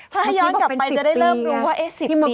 ถ้าย้อนกลับไปจะได้เริ่มรู้ว่า๑๐ปี